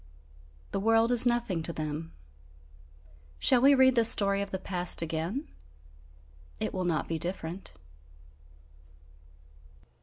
The world is nothing to them. Shall we read the story of the past again? It will not be different.